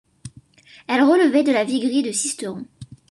Elles relevaient de la viguerie de Sisteron.